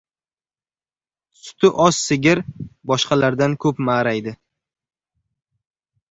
• Suti oz sigir boshqalardan ko‘p ma’raydi.